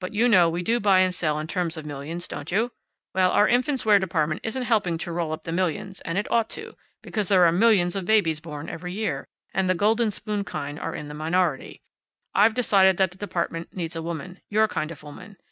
But you know we do buy and sell in terms of millions, don't you? Well, our infants' wear department isn't helping to roll up the millions; and it ought to, because there are millions of babies born every year, and the golden spoon kind are in the minority. I've decided that that department needs a woman, your kind of woman.